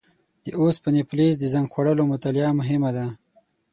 د اوسپنې فلز د زنګ خوړلو مطالعه مهمه ده.